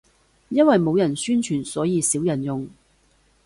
因為冇人宣傳，所以少人用